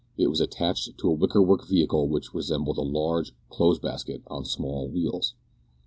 It was attached to a wickerwork vehicle which resembled a large clothes basket on small wheels.